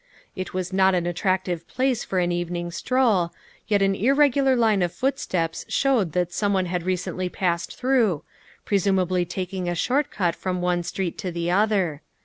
It was not an attrac tive place for an evening stroll, yet an irregular line of footsteps showed that someone had recently passed through, presumably taking a short cut from one street to the other.